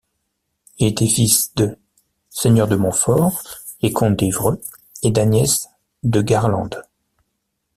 Il était fils d', seigneur de Montfort et comte d'Évreux, et d'Agnès de Garlande.